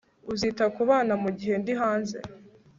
uzita ku bana mugihe ndi hanze